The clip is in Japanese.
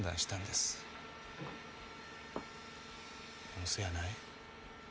でもそうやない。